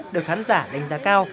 được khán giả đánh giá